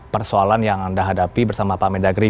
persoalan yang anda hadapi bersama pak mendagri